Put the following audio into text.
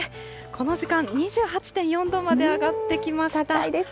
この時間、２８．４度まで上がってきました。